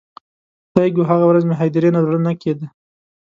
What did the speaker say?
خدایږو، هغه ورځ مې هدیرې نه زړګی نه کیده